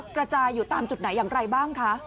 กระจายอยู่ตามจุดไหนอย่างไรบ้างคะ